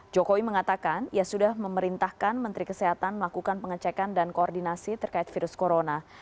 jokowi mengatakan ia sudah memerintahkan menteri kesehatan melakukan pengecekan dan koordinasi terkait virus corona